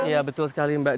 ya betul sekali mbak